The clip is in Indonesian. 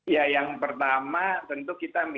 ya yang pertama tentu kita